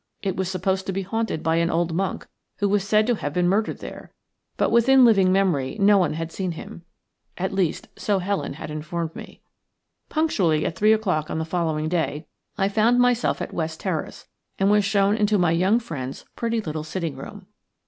It was supposed to be haunted by an old monk who was said to have been murdered there, but within living memory no one had seen him. At least, so Helen had informed me. Punctually at three o'clock on the following day I found myself at West Terrace, and was shown into my young friend's pretty little sitting room.